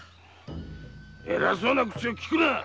えらそうな口をきくな！